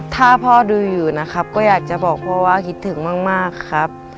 ถ้าพ่อดูอยู่นะครับก็อยากจะบอกพ่อว่าคิดถึงมากครับ